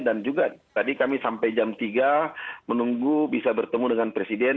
dan juga tadi kami sampai jam tiga menunggu bisa bertemu dengan presiden